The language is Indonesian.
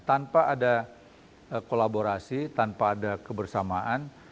tanpa ada kolaborasi tanpa ada kebersamaan